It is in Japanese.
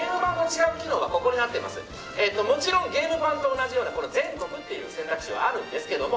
もちろんゲーム版と同じような全国という選択肢はあるんですけど